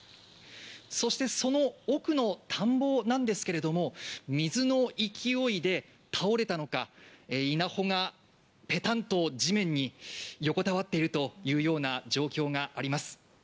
そしてその奥の田んぼなんですけれども、水の勢いで倒れたのか、稲穂がペタンと地面に横たわっているというような状況があります。